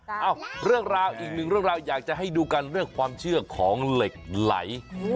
เอ้าเรื่องราวอีกหนึ่งเรื่องราวอยากจะให้ดูกันเรื่องความเชื่อของเหล็กไหล